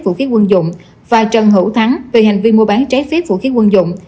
vũ khí quân dụng và trần hữu thắng về hành vi mua bán trái phép vũ khí quân dụng